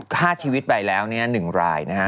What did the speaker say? ฆ่าชีวิตไปแล้ว๑รายนะฮะ